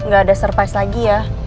nggak ada surprise lagi ya